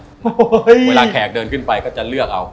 โอ้โหเวลาแขกเดินขึ้นไปก็จะเลือกเอา